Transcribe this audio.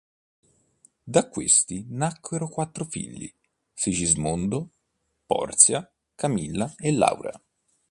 Da questi nacquero quattro figli: Sigismondo, Porzia, Camilla e Laura.